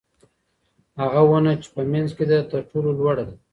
هغه ونه چې په منځ کې ده تر ټولو لوړه ده.